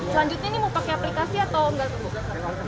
selanjutnya ini mau pakai aplikasi atau enggak